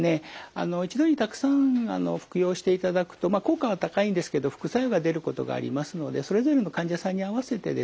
あの一度にたくさん服用していただくと効果は高いんですけど副作用が出ることがありますのでそれぞれの患者さんに合わせてですね